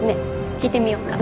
聞いてみよっか。